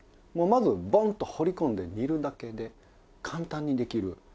もうまずボンと放り込んで煮るだけで簡単にできる。